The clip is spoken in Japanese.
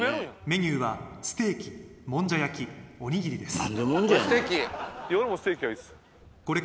メニューはステーキもんじゃ焼きおにぎりです